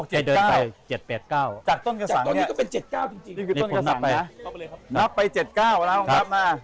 นะฮะแล้วบอกเจ็ดเก้าไปเดินไปเจ็ดแปดเก้า